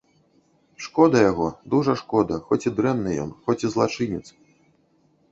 Шкода яго, дужа шкода, хоць і дрэнны ён, хоць і злачынец.